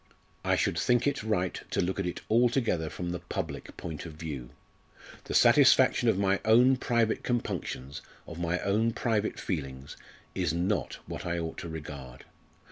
I should think it right to look at it altogether from the public point of view. The satisfaction of my own private compunctions of my own private feelings is not what I ought to regard.